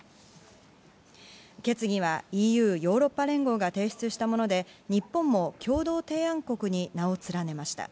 決議はＥＵ＝ヨーロッパ連合が提出したもので、日本も共同提案国に名を連ねました。